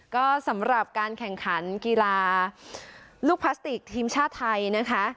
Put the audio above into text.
ก็สำหรับการแข่งขันกีฬาลูกพลาสติกทีมชาติไทยนะคะ